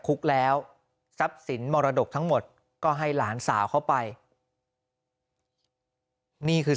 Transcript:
คุกแล้วทรัพย์สินมรดกทั้งหมดก็ให้หลานสาวเข้าไปนี่คือ